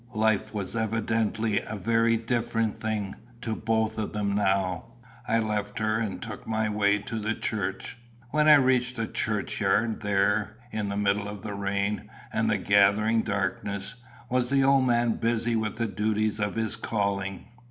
Life was evidently a very different thing to both of them now. I left her, and took my way to the church. When I reached the churchyard, there, in the middle of the rain and the gathering darkness, was the old man busy with the duties of his calling.